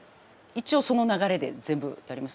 一応その流れで全部やります。